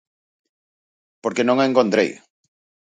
Porque non a encontrei.